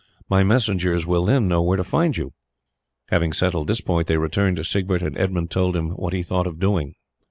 My messengers will then know where to find you." Having settled this point they returned to Siegbert, and Edmund told him what he thought of doing.